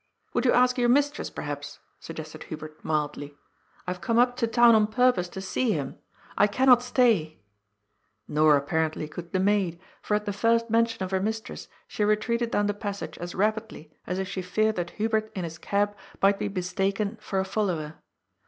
"Would you ask your mistress, perhaps," suggested Hubert mildly ;" I have come up to town on purpose to see him. I cannot stay " Nor, apparently, could the maid, for at the first men* tion of her mistress she retreated down the passage as rapid* ly as if she feared that Hubert in his cab might be mistaken for a follower.